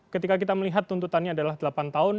ketika kita melihat tuntutannya adalah delapan tahun